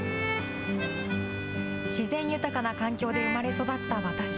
自然豊かな環境で生まれ育った私。